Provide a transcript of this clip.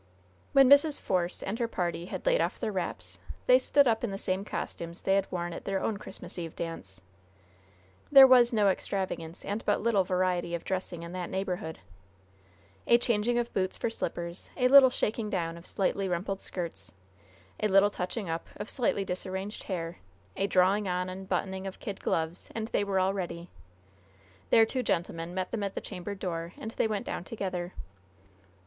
When Mrs. Force and her party had laid off their wraps, they stood up in the same costumes they had worn at their own Christmas Eve dance. There was no extravagance, and but little variety of dressing in that neighborhood. A changing of boots for slippers, a little shaking down of slightly rumpled skirts, a little touching up of slightly disarranged hair, a drawing on and buttoning of kid gloves, and they were all ready. Their two gentlemen met them at the chamber door, and they went down together.